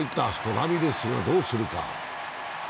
ラミレスはどうするか。